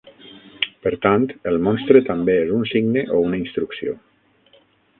Per tant, el monstre també és un signe o una instrucció.